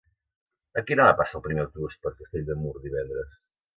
A quina hora passa el primer autobús per Castell de Mur divendres?